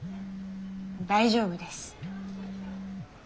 大丈夫です。